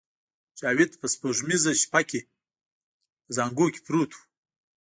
جاوید په سپوږمیزه شپه کې په زانګو کې پروت و